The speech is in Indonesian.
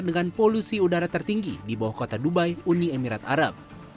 dengan polusi udara tertinggi di bawah kota dubai uni emirat arab